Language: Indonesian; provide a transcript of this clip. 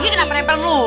gini kenapa nempel lu